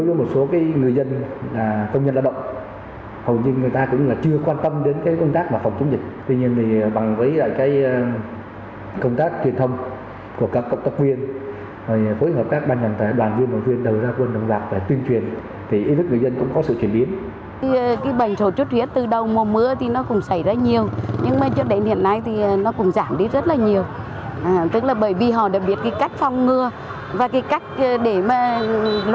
rất là nhiều tức là bởi vì họ đã biết cái cách phong ngừa và cái cách để mà loại trừ cả cái ổ đẻ của mỗi văn